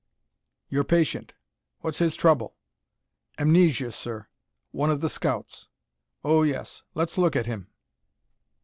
"Your patient. What's his trouble?" "Amnesia, sir. One of the scouts." "Oh, yes. Let's look at him."